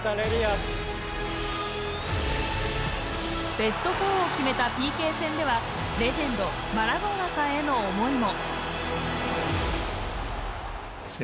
ベスト４を決めたＰＫ戦ではレジェンドマラドーナさんへの思いも。